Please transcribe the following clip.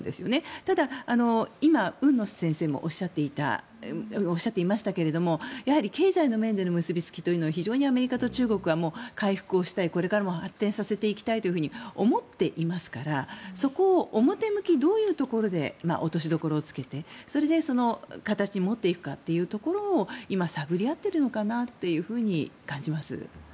ただ、今、海野先生もおっしゃっていましたけれどもやはり経済の面での結びつきというのはアメリカと中国は回復をしたいこれからも発展させていきたいと思っていますからそこを表向き、どういうところで落としどころをつけて、それで形に持っていくかというところを今、探り合っているのかなと感じます。